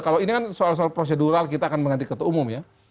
kalau ini kan soal soal prosedural kita akan mengganti ketua umum ya